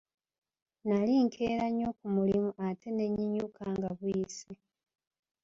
Nali nkeera nnyo ku mulimu ate ne nnyinyuka nga buyise.